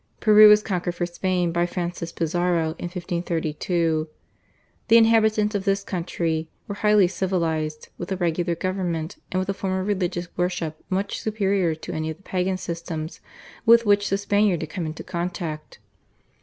Peru was conquered for Spain by Francis Pizarro in 1532. The inhabitants of this country were highly civilised, with a regular government, and with a form of religious worship much superior to any of the Pagan systems with which the Spaniard had come into contact.